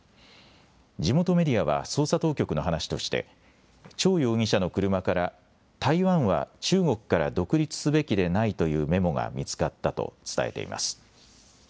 地元メディアは捜査当局の話としてチョウ容疑者の車から台湾は中国から独立すべきでないというメモが見つかったと伝えています。